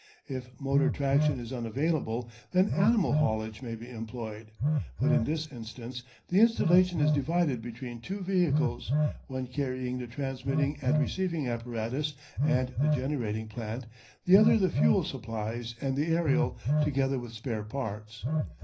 If motor traction is unavailable, then animal haulage may be employed, but in this instance the installation is divided between two vehicles, one carrying the transmitting and receiving apparatus and the generating plant, the other the fuel supplies and the aerial, together with spare parts.